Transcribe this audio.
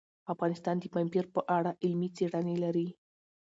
افغانستان د پامیر په اړه علمي څېړنې لري.